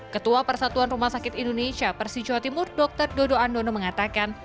ketua persatuan rumah sakit indonesia persi jawa timur dr dodo andono mengatakan